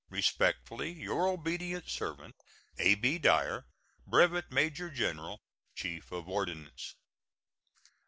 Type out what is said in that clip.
Respectfully, your obedient servant, A.B. DYER, Brevet Major General, Chief of Ordnance.